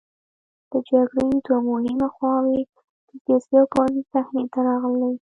د جګړې دوه مهمې خواوې د سیاسي او پوځي صحنې ته راغلې.